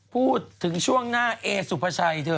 พูดถึงช่วงหน้าเอสุภาชัยเธอ